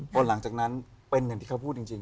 พอหลังจากนั้นเป็นอย่างที่เขาพูดจริง